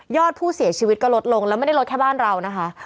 อดผู้เสียชีวิตก็ลดลงแล้วไม่ได้ลดแค่บ้านเรานะคะ